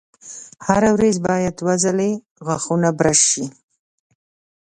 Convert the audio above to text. هره ورځ باید دوه ځلې غاښونه برش شي.